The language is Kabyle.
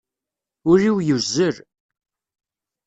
Uli-w yuzzel.